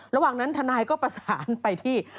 ระหว่างนั้นทนายก็ประสานไปที่